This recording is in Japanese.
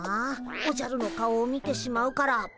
おじゃるの顔を見てしまうから。